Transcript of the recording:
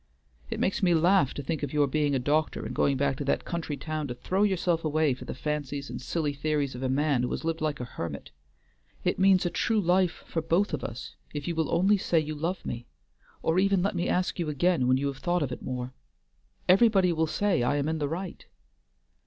It makes me laugh to think of your being a doctor and going back to that country town to throw yourself away for the fancies and silly theories of a man who has lived like a hermit. It means a true life for both of us if you will only say you love me, or even let me ask you again when you have thought of it more. Everybody will say I am in the right."